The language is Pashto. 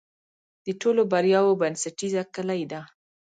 د ټولو بریاوو بنسټیزه کلي ده.